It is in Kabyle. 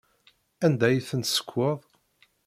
Anda ay ten-tessekweḍ?